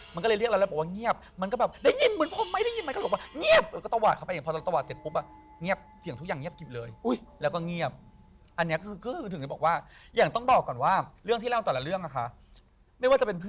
มันก็เลยเรียกเราแล้วบอกว่าเงียบ